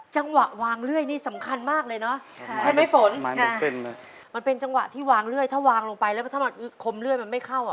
จังหวะวางเลื่อยนี่สำคัญมากเลยเนอะใช่ไหมฝนมันเป็นจังหวะที่วางเลื่อยถ้าวางลงไปแล้วถ้ามันคมเลื่อยมันไม่เข้าอ่ะ